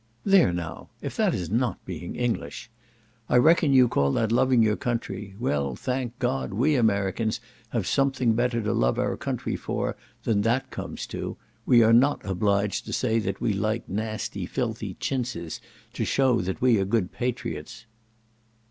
"There now! if that is not being English! I reckon you call that loving your country; well, thank God! we Americans have something better to love our country for than that comes to; we are not obliged to say that we like nasty filthy chintzes to shew that we are good patriots."